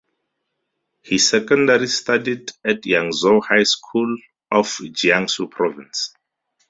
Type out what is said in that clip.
He secondary studied at Yangzhou High School of Jiangsu Province.